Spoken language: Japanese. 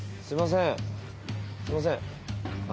すいません。